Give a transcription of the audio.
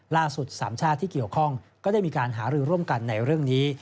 ๓ชาติที่เกี่ยวข้องก็ได้มีการหารือร่วมกันในเรื่องนี้